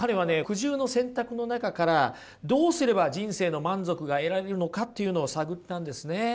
苦渋の選択の中からどうすれば人生の満足が得られるのかっていうのを探ったんですね。